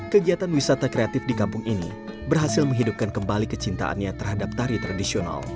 kegiatan wisata kreatif di kampung ini berhasil menghidupkan kembali kecintaannya terhadap tari tradisional